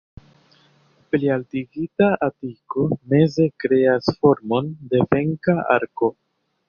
Plialtigita atiko meze kreas formon de venka arko.